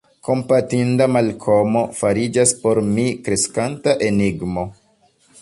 Kompatinda Malkomo fariĝas por mi kreskanta enigmo.